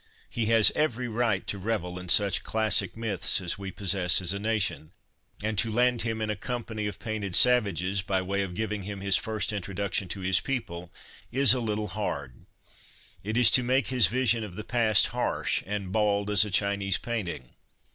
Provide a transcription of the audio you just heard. He has every right to revel in such classic myths as we possess as a nation ; and to land him in a company of painted savages, by way of giving him his first introduction to his people, is a little hard ; it is to make his vision of the past harsh and bald as a Chinese painting.